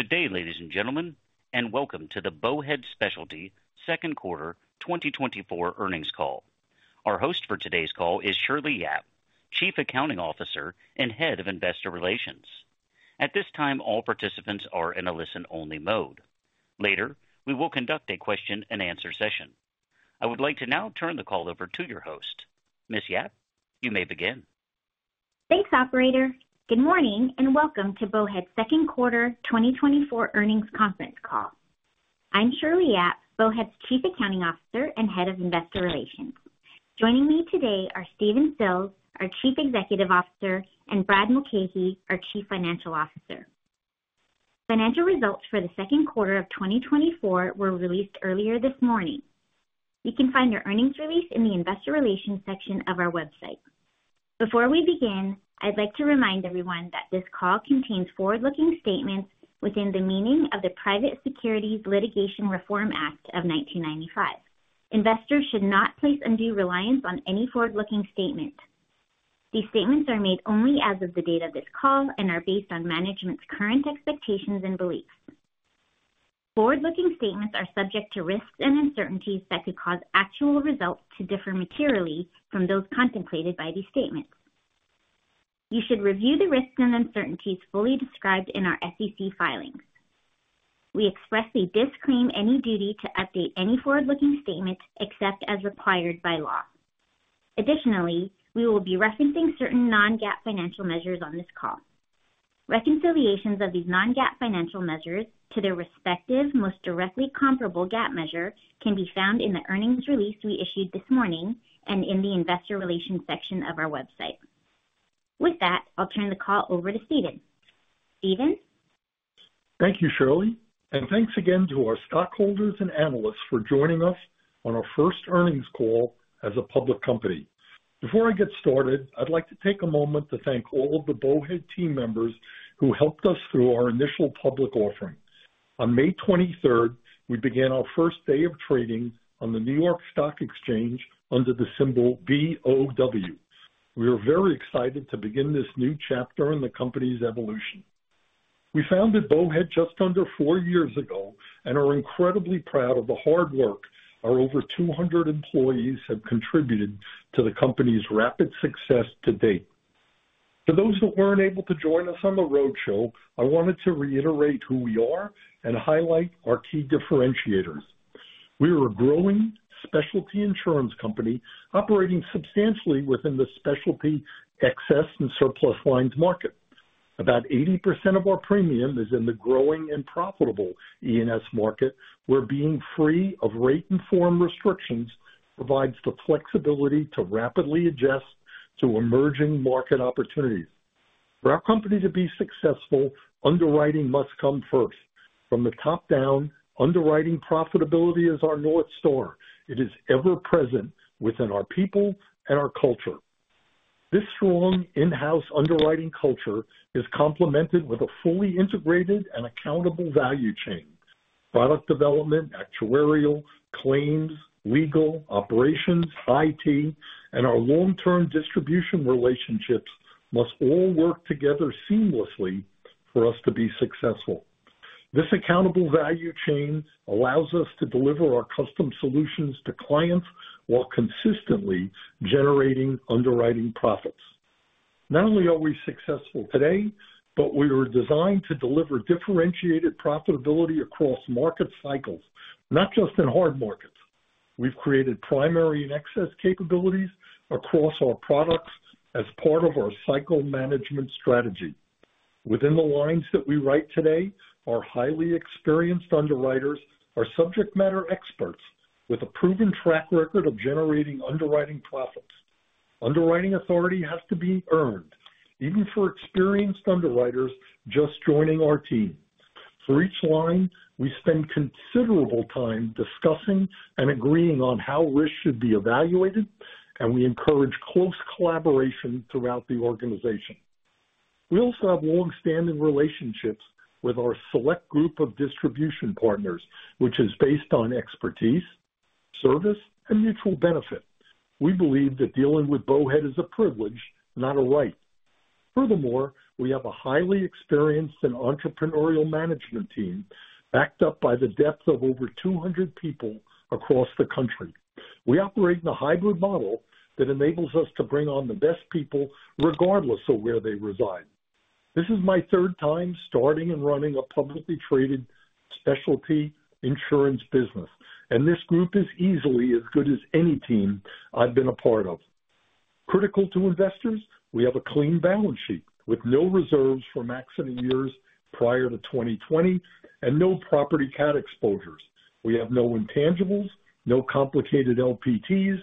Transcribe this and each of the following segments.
Good day, ladies and gentlemen, and welcome to the Bowhead Specialty Second Quarter 2024 Earnings Call. Our host for today's call is Shirley Yap, Chief Accounting Officer and Head of Investor Relations. At this time, all participants are in a listen-only mode. Later, we will conduct a question-and-answer session. I would like to now turn the call over to your host. Ms. Yap, you may begin. Thanks, operator. Good morning, and welcome to Bowhead's second quarter 2024 earnings conference call. I'm Shirley Yap, Bowhead's Chief Accounting Officer and Head of Investor Relations. Joining me today are Stephen Sills, our Chief Executive Officer, and Brad Mulcahey, our Chief Financial Officer. Financial results for the Q2 of 2024 were released earlier this morning. You can find your earnings release in the investor relations section of our website. Before we begin, I'd like to remind everyone that this call contains forward-looking statements within the meaning of the Private Securities Litigation Reform Act of 1995. Investors should not place undue reliance on any forward-looking statement. These statements are made only as of the date of this call and are based on management's current expectations and beliefs. Forward-looking statements are subject to risks and uncertainties that could cause actual results to differ materially from those contemplated by these statements. You should review the risks and uncertainties fully described in our SEC filings. We expressly disclaim any duty to update any forward-looking statements except as required by law. Additionally, we will be referencing certain non-GAAP financial measures on this call. Reconciliations of these non-GAAP financial measures to their respective most directly comparable GAAP measure can be found in the earnings release we issued this morning and in the investor relations section of our website. With that, I'll turn the call over to Stephen. Stephen? Thank you, Shirley, and thanks again to our stockholders and analysts for joining us on our first earnings call as a public company. Before I get started, I'd like to take a moment to thank all of the Bowhead team members who helped us through our initial public offering. On May 23rd, we began our first day of trading on the New York Stock Exchange under the symbol BOW. We are very excited to begin this new chapter in the company's evolution. We founded Bowhead just under 4 years ago and are incredibly proud of the hard work our over 200 employees have contributed to the company's rapid success to date. For those who weren't able to join us on the roadshow, I wanted to reiterate who we are and highlight our key differentiators. We are a growing specialty insurance company operating substantially within the specialty excess and surplus lines market. About 80% of our premium is in the growing and profitable E&S market, where being free of rate and form restrictions provides the flexibility to rapidly adjust to emerging market opportunities. For our company to be successful, underwriting must come first. From the top down, underwriting profitability is our North Star. It is ever present within our people and our culture. This strong in-house underwriting culture is complemented with a fully integrated and accountable value chain. Product development, actuarial, claims, legal, operations, IT, and our long-term distribution relationships must all work together seamlessly for us to be successful. This accountable value chain allows us to deliver our custom solutions to clients while consistently generating underwriting profits. Not only are we successful today, but we were designed to deliver differentiated profitability across market cycles, not just in hard markets. We've created primary and excess capabilities across our products as part of our cycle management strategy. Within the lines that we write today, our highly experienced underwriters are subject matter experts with a proven track record of generating underwriting profits. Underwriting authority has to be earned, even for experienced underwriters just joining our team. For each line, we spend considerable time discussing and agreeing on how risk should be evaluated, and we encourage close collaboration throughout the organization. We also have long-standing relationships with our select group of distribution partners, which is based on expertise, service, and mutual benefit. We believe that dealing with Bowhead is a privilege, not a right. Furthermore, we have a highly experienced and entrepreneurial management team, backed up by the depth of over 200 people across the country. We operate in a hybrid model that enables us to bring on the best people regardless of where they reside. This is my third time starting and running a publicly traded specialty insurance business, and this group is easily as good as any team I've been a part of. Critical to investors, we have a clean balance sheet with no reserves for maximum years prior to 2020 and no Property Cat exposures. We have no intangibles, no complicated LPTs,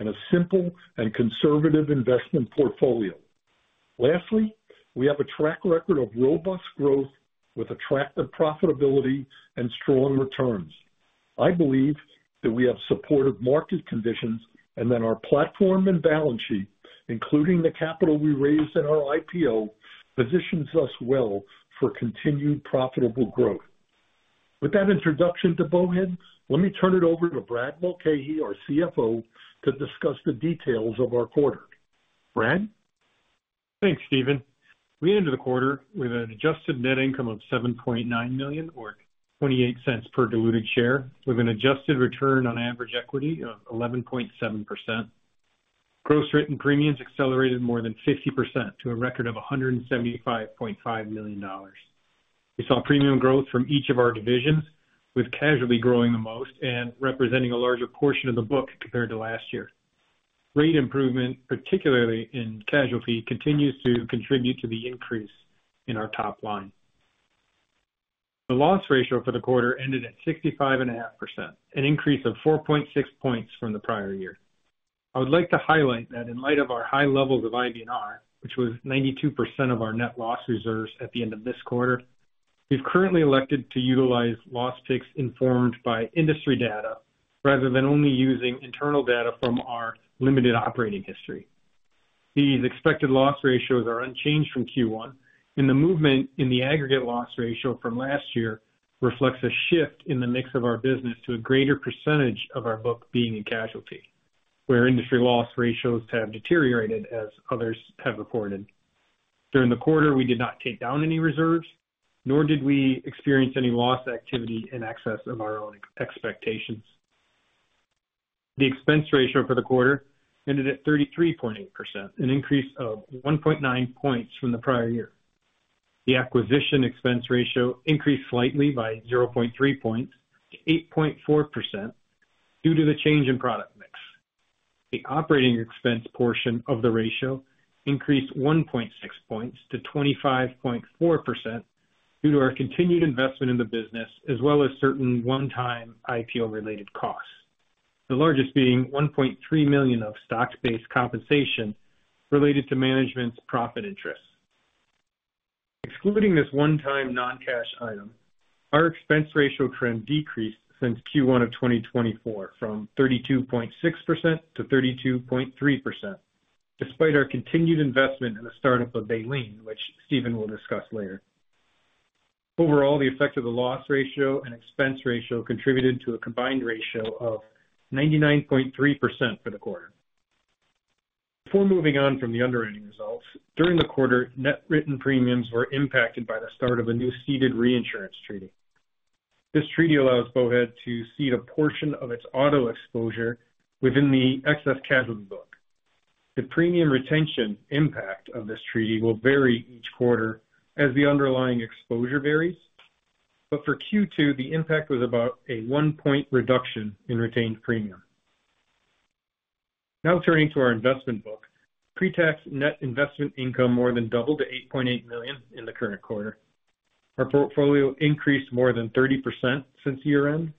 and a simple and conservative investment portfolio. Lastly, we have a track record of robust growth with attractive profitability and strong returns. I believe that we have supportive market conditions and that our platform and balance sheet, including the capital we raised in our IPO, positions us well for continued profitable growth.... With that introduction to Bowhead, let me turn it over to Brad Mulcahey, our CFO, to discuss the details of our quarter. Brad? Thanks, Stephen. We ended the quarter with an Adjusted Net Income of $7.9 million, or 28 cents per diluted share, with an adjusted return on average equity of 11.7%. Gross Written Premiums accelerated more than 50% to a record of $175.5 million. We saw premium growth from each of our divisions, with Casualty growing the most and representing a larger portion of the book compared to last year. Rate improvement, particularly in Casualty, continues to contribute to the increase in our top line. The Loss Ratio for the quarter ended at 65.5%, an increase of 4.6 points from the prior year. I would like to highlight that in light of our high levels of IBNR, which was 92% of our net loss reserves at the end of this quarter, we've currently elected to utilize loss picks informed by industry data rather than only using internal data from our limited operating history. These expected loss ratios are unchanged from Q1, and the movement in the aggregate loss ratio from last year reflects a shift in the mix of our business to a greater percentage of our book being in casualty, where industry loss ratios have deteriorated, as others have reported. During the quarter, we did not take down any reserves, nor did we experience any loss activity in excess of our own expectations. The expense ratio for the quarter ended at 33.8%, an increase of 1.9 points from the prior year. The acquisition expense ratio increased slightly by 0.3 points to 8.4% due to the change in product mix. The operating expense portion of the ratio increased 1.6 points to 25.4% due to our continued investment in the business, as well as certain one-time IPO-related costs, the largest being $1.3 million of stock-based compensation related to management's profits interest. Excluding this one-time non-cash item, our expense ratio trend decreased since Q1 of 2024 from 32.6% to 32.3%, despite our continued investment in the startup of Baleen, which Stephen will discuss later. Overall, the effect of the loss ratio and expense ratio contributed to a combined ratio of 99.3% for the quarter. Before moving on from the underwriting results, during the quarter, net written premiums were impacted by the start of a new ceded reinsurance treaty. This treaty allows Bowhead to cede a portion of its auto exposure within the excess casualty book. The premium retention impact of this treaty will vary each quarter as the underlying exposure varies. But for Q2, the impact was about a 1-point reduction in retained premium. Now turning to our investment book. Pre-tax net investment income more than doubled to $8.8 million in the current quarter. Our portfolio increased more than 30% since year-end,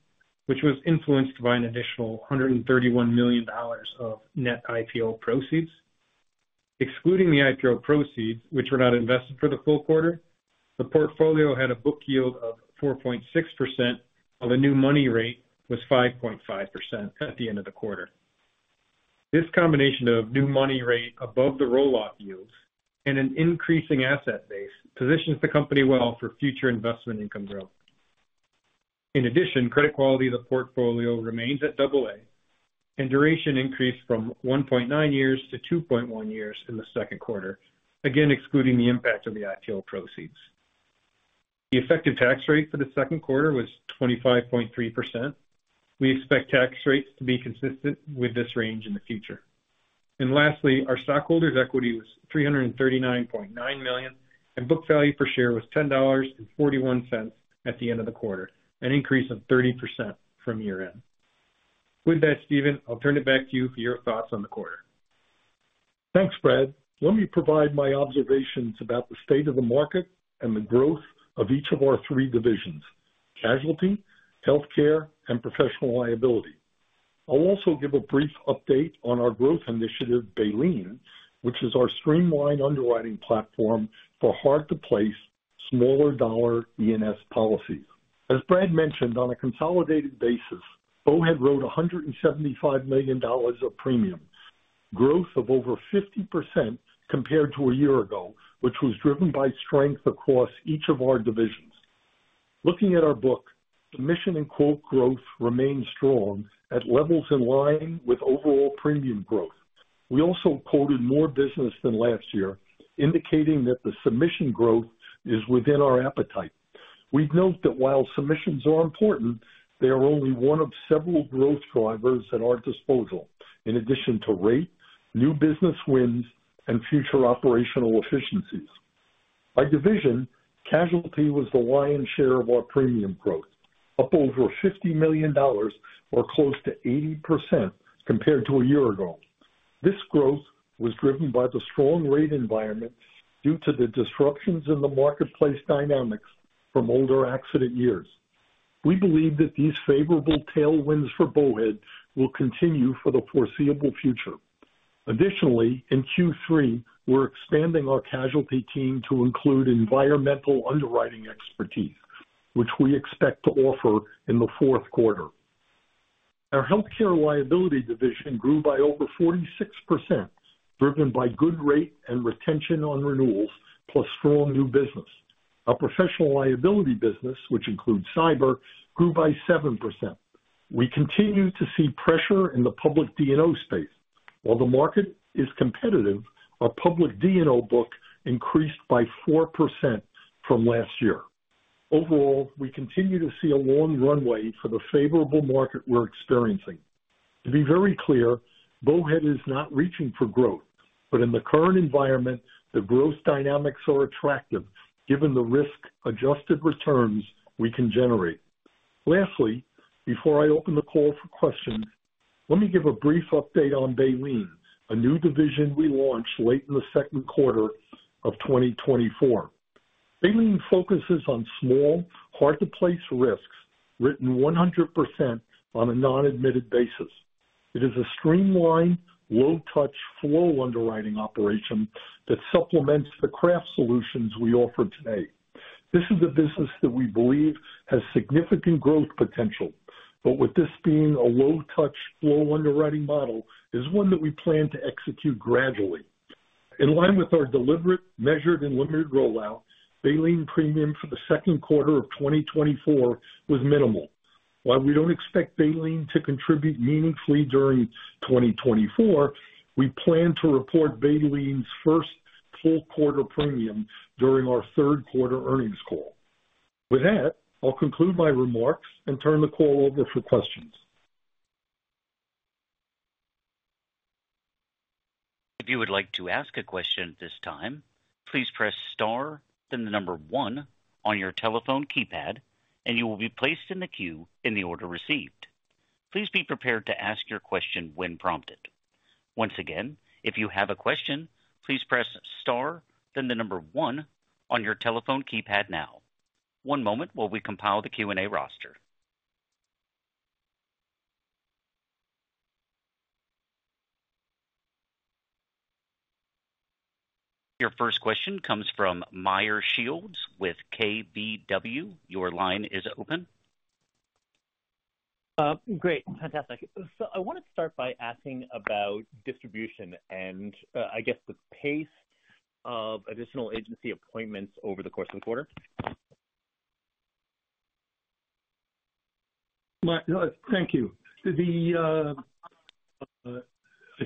which was influenced by an additional $131 million of net IPO proceeds. Excluding the IPO proceeds, which were not invested for the full quarter, the portfolio had a book yield of 4.6%, while the new money rate was 5.5% at the end of the quarter. This combination of new money rate above the roll-off yields and an increasing asset base positions the company well for future investment income growth. In addition, credit quality of the portfolio remains at AA, and duration increased from 1.9 years to 2.1 years in the Q2, again, excluding the impact of the IPO proceeds. The effective tax rate for the Q2 was 25.3%. We expect tax rates to be consistent with this range in the future. Lastly, our stockholders' equity was $339.9 million, and book value per share was $10.41 at the end of the quarter, an increase of 30% from year-end. With that, Stephen, I'll turn it back to you for your thoughts on the quarter. Thanks, Brad. Let me provide my observations about the state of the market and the growth of each of our three divisions: Casualty, Healthcare, and Professional Liability. I'll also give a brief update on our growth initiative, Baleen, which is our streamlined underwriting platform for hard-to-place, smaller dollar E&S policies. As Brad mentioned, on a consolidated basis, Bowhead wrote $175 million of premiums, growth of over 50% compared to a year ago, which was driven by strength across each of our divisions. Looking at our book, submission and quote growth remains strong at levels in line with overall premium growth. We also quoted more business than last year, indicating that the submission growth is within our appetite. We've noted that while submissions are important, they are only one of several growth drivers at our disposal, in addition to rate, new business wins, and future operational efficiencies. By division, Casualty was the lion's share of our premium growth, up over $50 million or close to 80% compared to a year ago. This growth was driven by the strong rate environment due to the disruptions in the marketplace dynamics from older accident years. We believe that these favorable tailwinds for Bowhead will continue for the foreseeable future. Additionally, in Q3, we're expanding our casualty team to include environmental underwriting expertise, which we expect to offer in the Q4. Our Healthcare Liability division grew by over 46%, driven by good rate and retention on renewals, plus strong new business. Our Professional Liability business, which includes Cyber, grew by 7%. We continue to see pressure in the Public D&O space. While the market is competitive, our Public D&O book increased by 4% from last year. Overall, we continue to see a long runway for the favorable market we're experiencing. To be very clear, Bowhead is not reaching for growth, but in the current environment, the growth dynamics are attractive given the risk-adjusted returns we can generate. Lastly, before I open the call for questions, let me give a brief update on Baleen, a new division we launched late in the Q2 of 2024. Baleen focuses on small, hard-to-place risks, written 100% on a non-admitted basis. It is a streamlined, low-touch, flow underwriting operation that supplements the craft solutions we offer today. This is a business that we believe has significant growth potential, but with this being a low-touch, flow underwriting model, is one that we plan to execute gradually. In line with our deliberate, measured, and limited rollout, Baleen premium for the Q2 of 2024 was minimal. While we don't expect Baleen to contribute meaningfully during 2024, we plan to report Baleen's first full quarter premium during our Q3 earnings call. With that, I'll conclude my remarks and turn the call over for questions. If you would like to ask a question at this time, please press star, then the number one on your telephone keypad, and you will be placed in the queue in the order received. Please be prepared to ask your question when prompted. Once again, if you have a question, please press star, then the number one on your telephone keypad now. One moment while we compile the Q&A roster. Your first question comes from Meyer Shields with KBW. Your line is open. Great, fantastic. So I wanted to start by asking about distribution and, I guess the pace of additional agency appointments over the course of the quarter. Thank you. I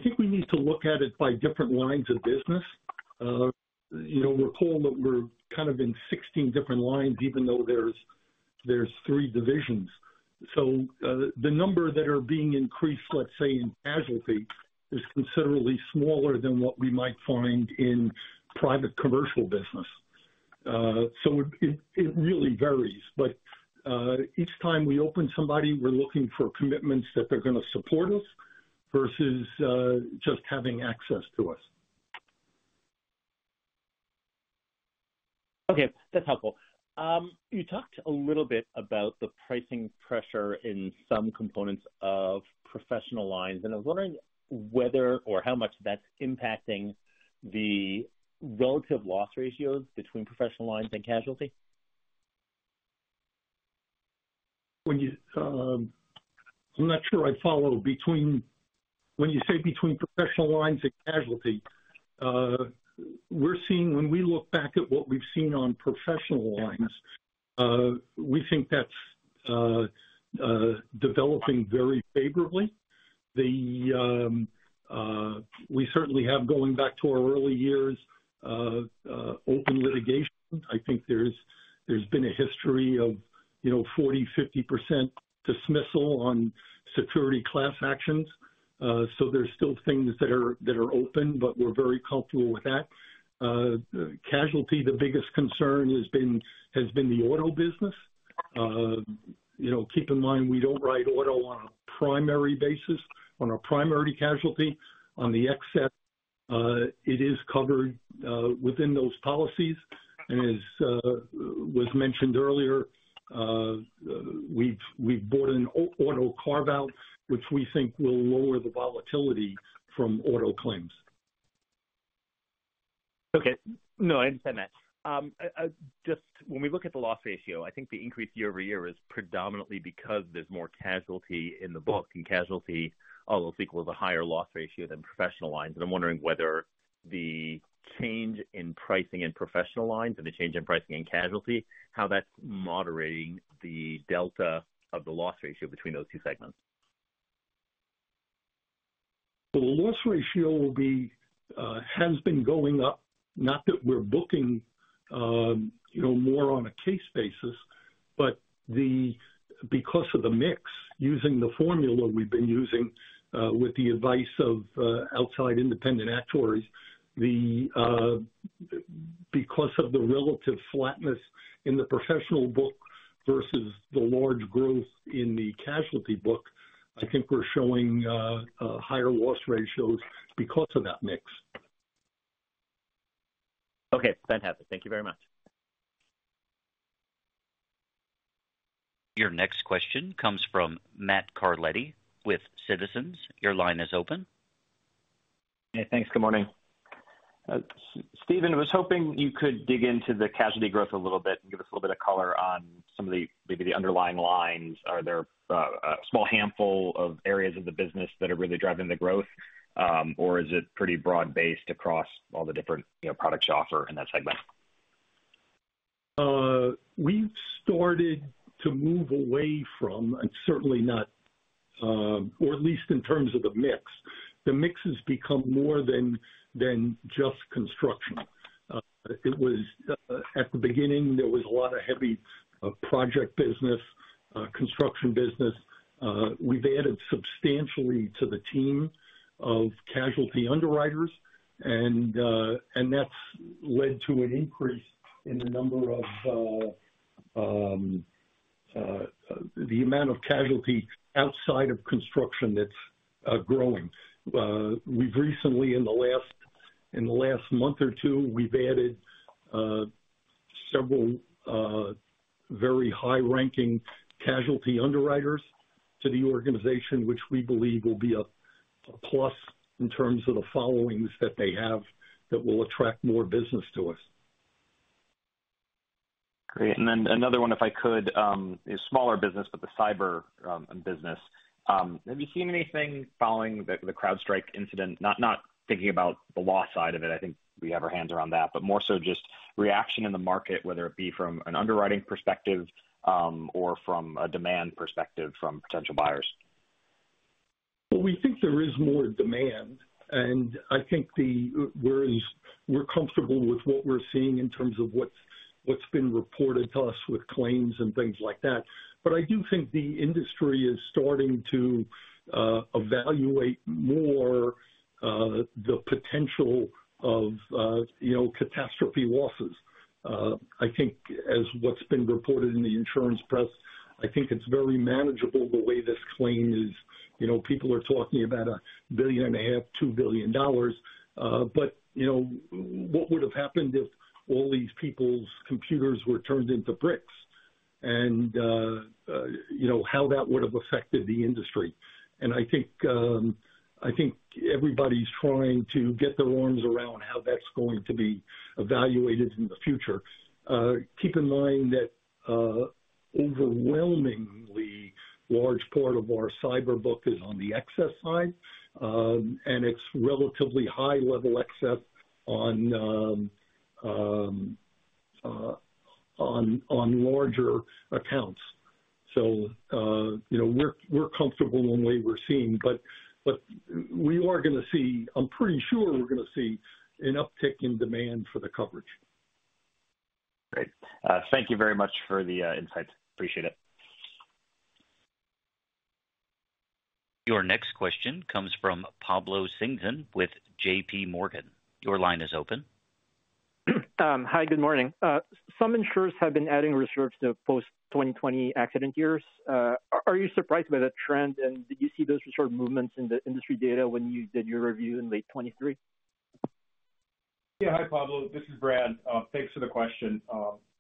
think we need to look at it by different lines of business. You know, recall that we're kind of in 16 different lines, even though there's 3 divisions. So, the number that are being increased, let's say, in casualty, is considerably smaller than what we might find in private commercial business. So it really varies, but, each time we open somebody, we're looking for commitments that they're going to support us versus, just having access to us. Okay, that's helpful. You talked a little bit about the pricing pressure in some components of professional lines, and I was wondering whether or how much that's impacting the relative loss ratios between professional lines and casualty? When you... I'm not sure I follow. When you say between professional lines and casualty, we're seeing when we look back at what we've seen on professional lines, we think that's developing very favorably. We certainly have, going back to our early years, open litigation. I think there's been a history of, you know, 40%-50% dismissal on securities class actions. So there's still things that are open, but we're very comfortable with that. Casualty, the biggest concern has been the auto business. You know, keep in mind, we don't write auto on a primary basis, on a primary casualty. On the excess, it is covered within those policies. As was mentioned earlier, we've bought an auto carve-out, which we think will lower the volatility from auto claims. Okay. No, I understand that. Just when we look at the loss ratio, I think the increase year-over-year is predominantly because there's more casualty in the book, and casualty also equals a higher loss ratio than professional lines. And I'm wondering whether the change in pricing in professional lines and the change in pricing in casualty, how that's moderating the delta of the loss ratio between those two segments. The loss ratio will be has been going up, not that we're booking, you know, more on a case basis, but because of the mix, using the formula we've been using, with the advice of outside independent actuaries, because of the relative flatness in the professional book versus the large growth in the casualty book, I think we're showing higher loss ratios because of that mix. Okay, fantastic. Thank you very much. Your next question comes from Matt Carletti with Citizens. Your line is open.... Yeah, thanks. Good morning. Stephen, I was hoping you could dig into the casualty growth a little bit and give us a little bit of color on some of the, maybe the underlying lines. Are there a small handful of areas of the business that are really driving the growth, or is it pretty broad-based across all the different, you know, products you offer in that segment? We've started to move away from, and certainly not, or at least in terms of the mix. The mix has become more than just construction. It was, at the beginning, there was a lot of heavy project business, construction business. We've added substantially to the team of casualty underwriters, and that's led to an increase in the amount of casualty outside of construction that's growing. We've recently, in the last month or two, we've added several very high-ranking casualty underwriters to the organization, which we believe will be a plus in terms of the followings that they have that will attract more business to us. Great. And then another one, if I could, is smaller business, but the cyber business. Have you seen anything following the CrowdStrike incident? Not thinking about the law side of it, I think we have our hands around that, but more so just reaction in the market, whether it be from an underwriting perspective, or from a demand perspective from potential buyers. Well, we think there is more demand, and I think we're comfortable with what we're seeing in terms of what's been reported to us with claims and things like that. But I do think the industry is starting to evaluate more the potential of, you know, catastrophe losses. I think as what's been reported in the insurance press, I think it's very manageable the way this claim is. You know, people are talking about $1.5 billion, $2 billion, but, you know, what would have happened if all these people's computers were turned into bricks? And, you know, how that would have affected the industry. And I think everybody's trying to get their arms around how that's going to be evaluated in the future. Keep in mind that, overwhelmingly large part of our cyber book is on the excess side, and it's relatively high-level excess on larger accounts. So, you know, we're comfortable in what we're seeing, but we are gonna see—I'm pretty sure we're gonna see an uptick in demand for the coverage. Great. Thank you very much for the insights. Appreciate it. Your next question comes from Pablo Singhal with J.P. Morgan. Your line is open. Hi, good morning. Some insurers have been adding reserves to post-2020 accident years. Are you surprised by that trend, and did you see those reserve movements in the industry data when you did your review in late 2023? Yeah. Hi, Pablo, this is Brad. Thanks for the question.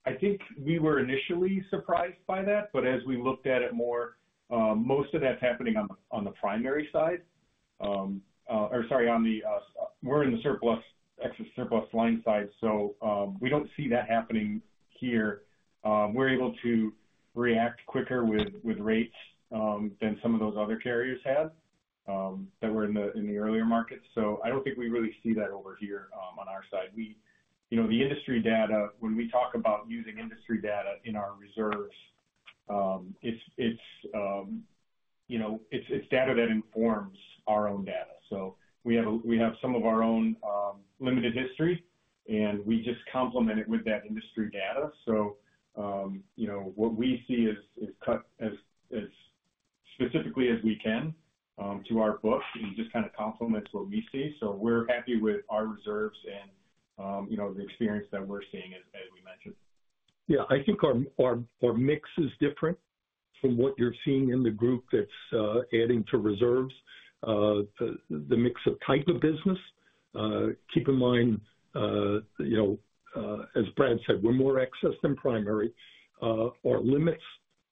I think we were initially surprised by that, but as we looked at it more, most of that's happening on the, on the primary side. Or sorry, on the, we're in the surplus, excess surplus line side, so, we don't see that happening here. We're able to react quicker with, with rates, than some of those other carriers have, that were in the, in the earlier markets. So I don't think we really see that over here, on our side. We... You know, the industry data, when we talk about using industry data in our reserves, it's, it's, you know, it's, it's data that informs our own data. So we have some of our own limited history, and we just complement it with that industry data. So, you know, what we see is cut as specifically as we can to our books, and just kind of complements what we see. So we're happy with our reserves and, you know, the experience that we're seeing as we mentioned. Yeah, I think our mix is different from what you're seeing in the group that's adding to reserves. The mix of type of business. Keep in mind, you know, as Brad said, we're more excess than primary. Our limits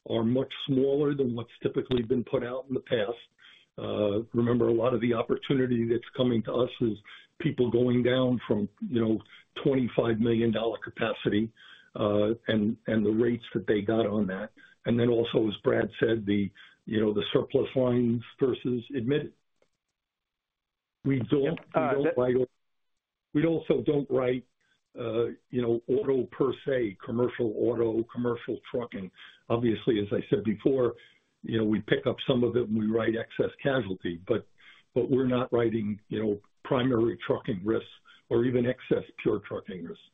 are much smaller than what's typically been put out in the past. Remember, a lot of the opportunity that's coming to us is people going down from, you know, $25 million capacity, and the rates that they got on that. And then also, as Brad said, the, you know, the surplus lines versus admitted. We don't- Yep, uh- We don't write. We also don't write, you know, auto per se, commercial auto, commercial trucking. Obviously, as I said before, you know, we pick up some of it when we write excess casualty, but we're not writing, you know, primary trucking risks or even excess pure trucking risks.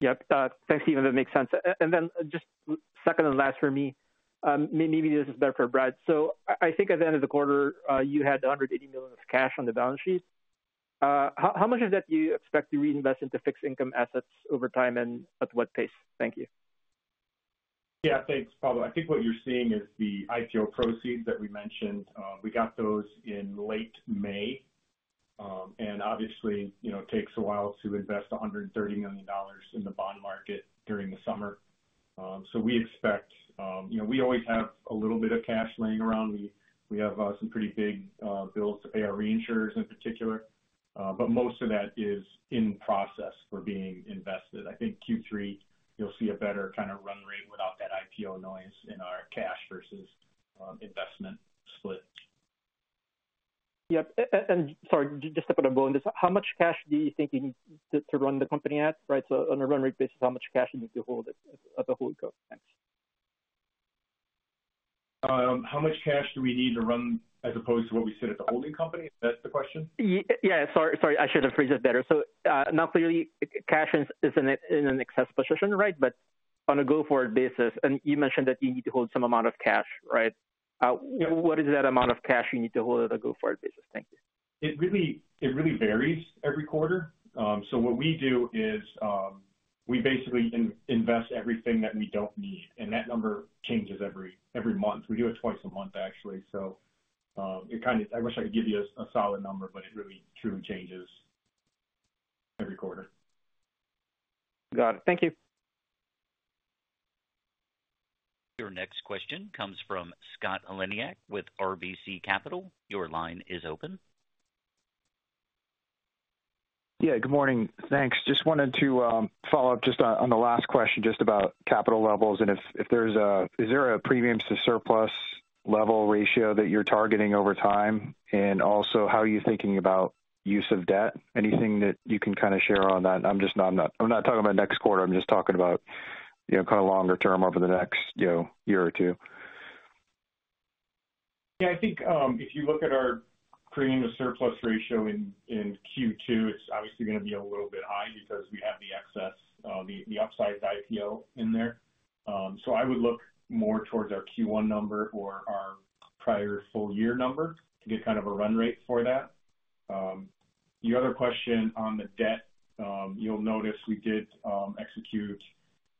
Yep. Thanks, Stephen, that makes sense. And then just second and last for me, maybe this is better for Brad. So I think at the end of the quarter, you had $180 million of cash on the balance sheet. How much of that do you expect to reinvest into fixed income assets over time, and at what pace? Thank you. Yeah, thanks, Pablo. I think what you're seeing is the IPO proceeds that we mentioned. We got those in late May. And obviously, you know, it takes a while to invest $130 million in the bond market during the summer. So we expect, you know, we always have a little bit of cash laying around. We have some pretty big bills to pay our reinsurers in particular, but most of that is in process for being invested. I think Q3, you'll see a better kind of run rate without that IPO noise in our cash versus investment split. Yep. And sorry, just to put a bow on this, how much cash do you think you need to run the company at, right? So on a run rate basis, how much cash do you need to hold it as a whole group? Thanks. How much cash do we need to run as opposed to what we sit at the holding company? Is that the question? Yeah, sorry, sorry, I should have phrased it better. So, now clearly, cash is in an excess position, right? But on a go-forward basis, and you mentioned that you need to hold some amount of cash, right? What is that amount of cash you need to hold on a go-forward basis? Thank you. It really, it really varies every quarter. So what we do is, we basically invest everything that we don't need, and that number changes every month. We do it twice a month, actually. So, it kind of... I wish I could give you a solid number, but it really truly changes every quarter. Got it. Thank you. Your next question comes from Scott Heleniak with RBC Capital. Your line is open. Yeah, good morning. Thanks. Just wanted to follow up just on the last question, just about capital levels and is there a premium to surplus level ratio that you're targeting over time? And also, how are you thinking about use of debt? Anything that you can kind of share on that? I'm just not talking about next quarter. I'm just talking about, you know, kind of longer term over the next, you know, year or two. Yeah, I think, if you look at our premium to surplus ratio in Q2, it's obviously going to be a little bit high because we have the excess, the upsized IPO in there. So I would look more towards our Q1 number or our prior full year number to get kind of a run rate for that. The other question on the debt, you'll notice we did execute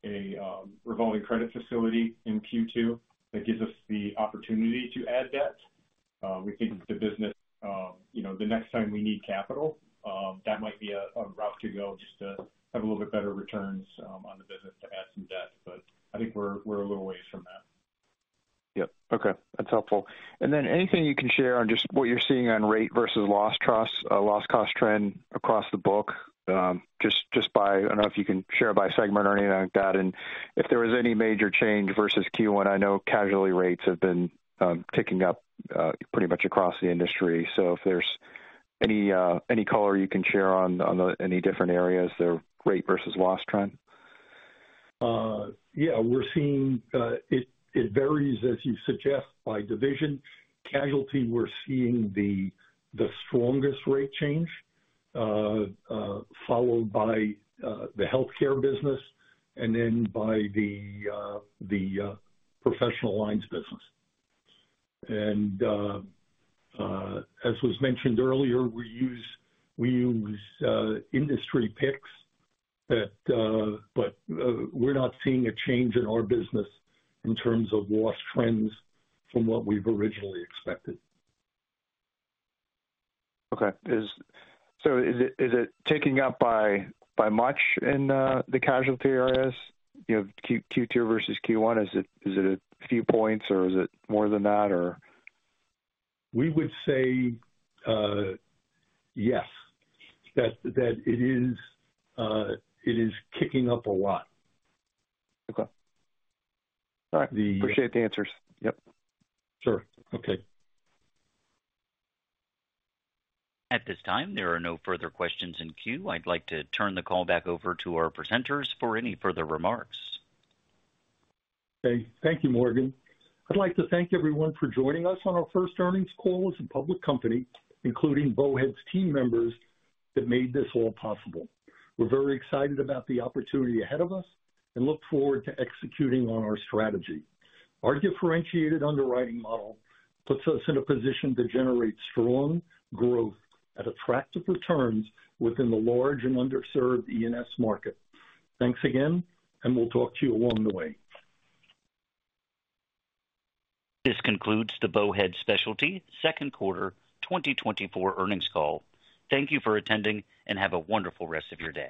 a revolving credit facility in Q2. That gives us the opportunity to add debt. We think the business, you know, the next time we need capital, that might be a route to go just to have a little bit better returns on the business to add some debt, but I think we're a little ways from that. Yep. Okay, that's helpful. And then anything you can share on just what you're seeing on rate versus loss trends, loss cost trend across the book? Just, just by I don't know if you can share by segment or anything like that, and if there was any major change versus Q1. I know casualty rates have been ticking up pretty much across the industry. So if there's any, any color you can share on, on the, any different areas, the rate versus loss trend. Yeah, we're seeing it varies, as you suggest, by division. Casualty, we're seeing the strongest rate change, followed by the healthcare business and then by the professional lines business. And as was mentioned earlier, we use industry picks, but we're not seeing a change in our business in terms of loss trends from what we've originally expected. Okay. So is it ticking up by much in the casualty areas? You know, Q2 versus Q1, is it a few points or is it more than that, or? We would say, yes, that it is kicking up a lot. Okay. All right. Appreciate the answers. Yep. Sure. Okay. At this time, there are no further questions in queue. I'd like to turn the call back over to our presenters for any further remarks. Okay. Thank you, Morgan. I'd like to thank everyone for joining us on our first earnings call as a public company, including Bowhead's team members that made this all possible. We're very excited about the opportunity ahead of us and look forward to executing on our strategy. Our differentiated underwriting model puts us in a position to generate strong growth at attractive returns within the large and underserved E&S market. Thanks again, and we'll talk to you along the way. This concludes the Bowhead Specialty Second Quarter 2024 Earnings Call. Thank you for attending, and have a wonderful rest of your day.